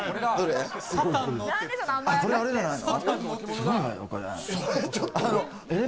あれじゃないの？